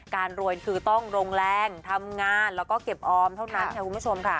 รวยคือต้องลงแรงทำงานแล้วก็เก็บออมเท่านั้นค่ะคุณผู้ชมค่ะ